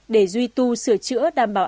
để duy tu sửa chữa đảm bảo